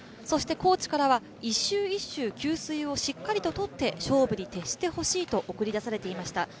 コーチからは、１周１周給水をしっかりとって勝負に徹してほしいと送り出されていました。